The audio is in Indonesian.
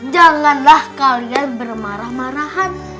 janganlah kalian bermarah marahan